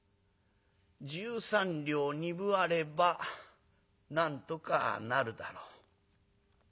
十三両二分あればなんとかなるだろう。